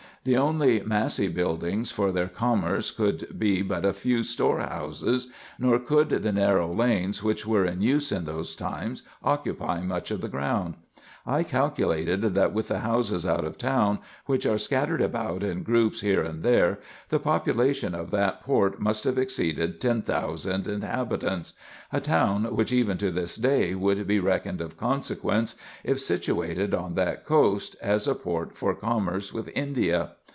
The only massy buildings for their commerce could be but a few store houses, nor could the narrow lanes, which were in use in those times, occupy much of the ground. I calculated that, with the houses out of town, which are scattered about in groups here and there, the population of that port must have exceeded 10,000 inhabitants; a town which even to this day would be reckoned of consequence, if situated on that coast, as a port for com merce with India.